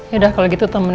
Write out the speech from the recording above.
yaudah kalo gitu temenin